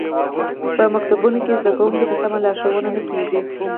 په ښوونځیو کې زده کوونکو ته سمه لارښوونه نه کیږي